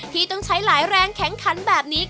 ที่ต้องใช้หลายแรงแข็งขันแบบนี้